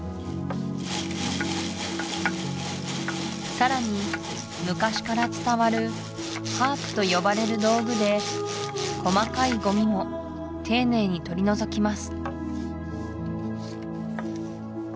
さらに昔から伝わるハープと呼ばれる道具で細かいゴミも丁寧に取り除きます